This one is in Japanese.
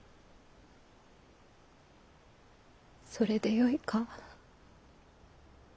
それでよいか？